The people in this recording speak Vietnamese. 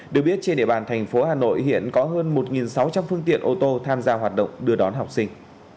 được biết trên địa bàn thành phố hà nội hiện có hơn một sáu trăm linh phương tiện ô tô tham gia hoạt động đưa đón học sinh